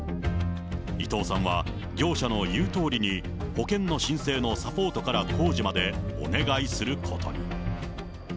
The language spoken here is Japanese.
伊藤さんは業者の言うとおりに保険の申請のサポートから工事までお願いすることに。